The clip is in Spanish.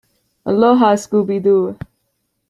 Aloha, Scooby-Doo!